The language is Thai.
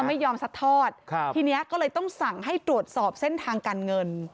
ไม่ยอมซัดทอดครับทีนี้ก็เลยต้องสั่งให้ตรวจสอบเส้นทางการเงิน